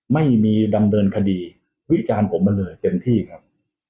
ไม่มีดำเนินคดีวิจารณ์ผมมาเลยเต็มที่ครับ